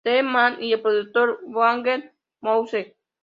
The Man y el productor Danger Mouse.